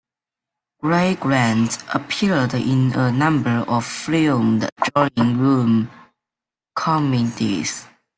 Cary Grant appeared in a number of filmed drawing-room comedies.